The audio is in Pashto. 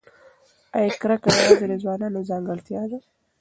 ایا کرکه یوازې د ځوانانو ځانګړتیا ده؟